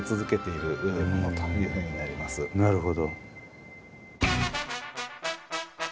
なるほど。